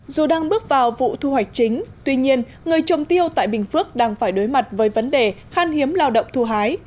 dù đang bước vào vụ thu hoạch chính tuy nhiên người trồng tiêu tại bình phước đang phải đối mặt với vấn đề khan hiếm lao động thu hái